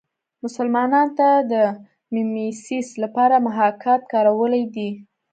مسلمانانو د میمیسیس لپاره محاکات کارولی دی